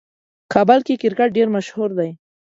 کابل کې کرکټ ډېر مشهور دی.